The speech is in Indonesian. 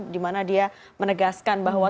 dimana dia menegaskan bahwa